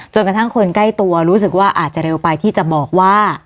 จนกระทั่งคนใกล้ตัวรู้สึกว่าอาจจะเร็วไปที่จะบอกว่า